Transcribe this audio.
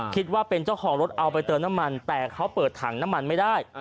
คิดว่าเป็นเจ้าของรถเอาไปเติมน้ำมันแต่เขาเปิดถังน้ำมันไม่ได้